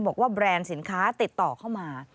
แบรนด์สินค้าติดต่อเข้ามา